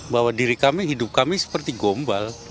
bahwa hidup kami seperti gombal